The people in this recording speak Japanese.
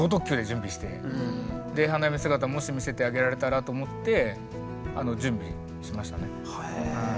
花嫁姿もし見せてあげられたらと思って準備しましたね。